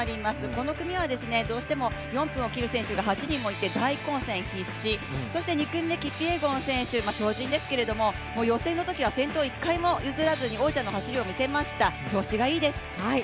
この組はどうしても４分を切る選手が８人もいて大混戦必至、そして２組目、キピエゴン選手、超人ですけども予選のときは先頭、１回も譲らずに王者の走りを見せました調子がいいです。